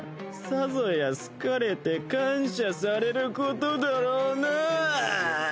さぞや好かれて感謝されることだろうなぁあ。